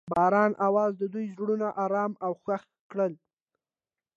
د باران اواز د دوی زړونه ارامه او خوښ کړل.